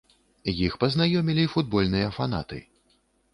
Іх пазнаёмілі футбольныя фанаты.